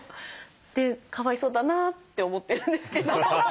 でかわいそうだなって思ってるんですけど。